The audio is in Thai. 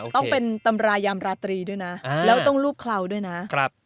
ต้องเป็นตำรายามราตรีด้วยนะแล้วต้องรูปเคราด้วยนะ